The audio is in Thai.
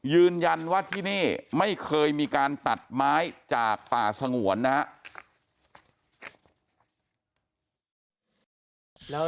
ยืนยันว่าที่นี่ไม่เคยมีการตัดไม้จากป่าสงวนนะครับ